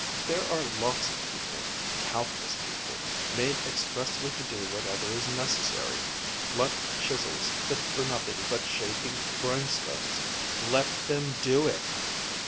There are lots of people, countless people, made expressly to do whatever is necessary, blunt chisels fit for nothing but shaping grindstones. _Let them do it!